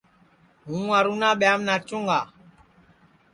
ہوں ارونا ٻیاںٚم ناچُوں گا